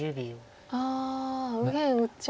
ああ右辺打っちゃう。